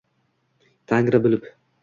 Tangri bilib